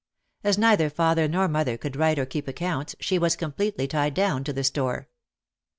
As neither father nor mother could write or keep accounts she was completely tied down to the store.